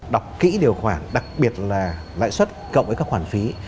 đọc kỹ điều khoản đặc biệt là lãi suất cộng với các khoản phí